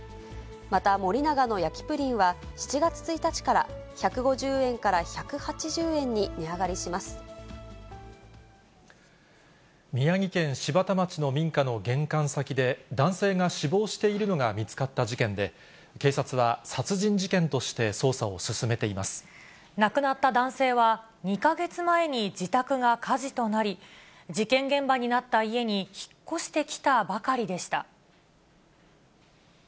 また森永の焼きプリンは７月１日から、１５０円から１８０円に値宮城県柴田町の民家の玄関先で、男性が死亡しているのが見つかった事件で、警察は、殺人事件亡くなった男性は２か月前に自宅が火事となり、事件現場になった家に引っ越してきたばかりでした。